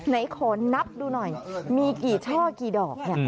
ไหนขอนับดูหน่อยมีกี่ช่อกี่ดอก